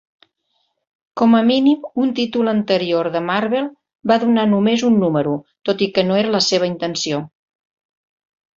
Com a mínim un títol anterior de Marvel va durar només un número, tot i que no era la seva intenció.